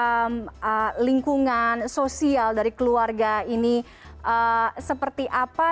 bagaimana lingkungan sosial dari keluarga ini seperti apa